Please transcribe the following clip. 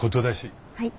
はい。